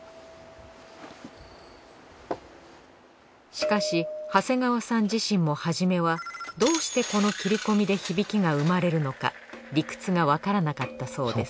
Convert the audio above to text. しかし長谷川さん自身も初めはどうしてこの切り込みで響きが生まれるのか理屈がわからなかったそうです